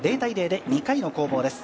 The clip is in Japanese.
０−０で２回の攻防です。